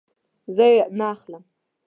زه یی نه اخلم